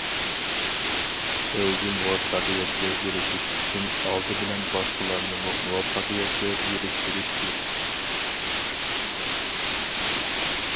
ئۆزى مۇۋەپپەقىيەتكە ئېرىشىش ئۈچۈن، ئالدى بىلەن باشقىلارنىمۇ مۇۋەپپەقىيەتكە ئېرىشتۈرۈش كېرەك.